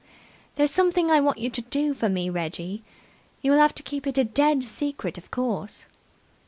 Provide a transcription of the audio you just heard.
"There's something I want you to do for me, Reggie. You'll have to keep it a dead secret of course."